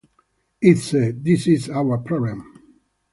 It's said, 'This is our problem.